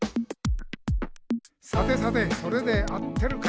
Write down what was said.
「さてさてそれで合ってるかな？」